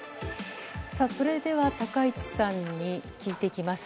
それでは、高市さんに聞いていきます。